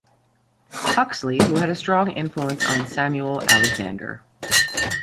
Huxley, who had a strong influence on Samuel Alexander.